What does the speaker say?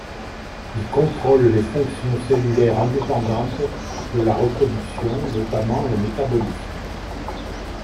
Il contrôle les fonctions cellulaires indépendantes de la reproduction, notamment le métabolisme.